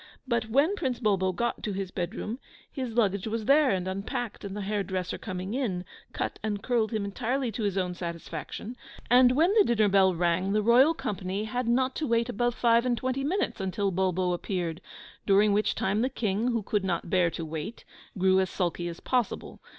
But when Prince Bulbo got to his bed room, his luggage was there and unpacked; and the hair dresser coming in, cut and curled him entirely to his own satisfaction; and when the dinner bell rang, the royal company had not to wait above five and twenty minutes until Bulbo appeared, during which time the King, who could not bear to wait, grew as sulky as possible.